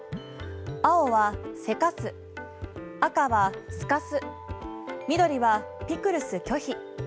青は、せかす赤は、透かす緑は、ピクルス拒否。